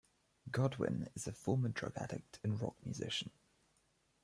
Godwin is a former drug addict and rock musician.